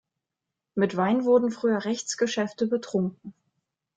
Mit Wein wurden früher Rechtsgeschäfte betrunken.